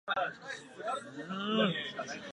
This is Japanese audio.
煮物で大根がいちばん好きだ